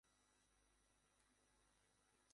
আর ঢাকায় চাকরি করা মুসা গ্রামে গিয়ে এই ঘটনায় বিচলিত হন।